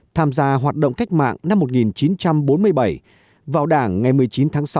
tham gia hoạt động cách mạng năm một nghìn chín trăm bốn mươi bảy vào đảng ngày một mươi chín tháng sáu năm một nghìn chín trăm bốn mươi chín